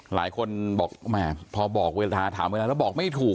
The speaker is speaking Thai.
หลายคนบอกแหมพอบอกเวลาถามเวลาแล้วบอกไม่ถูก